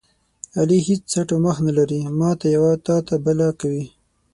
علي هېڅ څټ او مخ نه لري، ماته یوه تاته بله کوي.